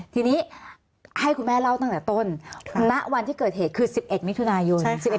ทีนี้ให้คุณแม่เล่าตั้งแต่ต้นณวันที่เกิดเหตุคือ๑๑มิถุนายน